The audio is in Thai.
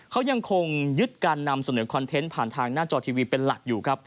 เขายังคงยึดการนำเสนอคอนเทนต์ผ่านทางหน้าจอทีวีเป็นหลักอยู่ครับ